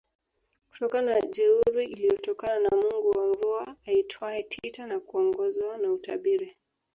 kutokana na jeuri iliyotokana na Mungu wa mvua aitwaye Tita na kuongozwa na utabiri